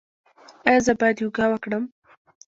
ایا زه باید یوګا وکړم؟